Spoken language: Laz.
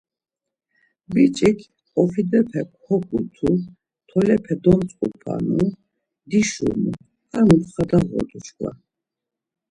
Biç̌ik ofidepe koǩutu, tolepe domtzǩupanu, dişumu, ar muntxa dağodu çkva.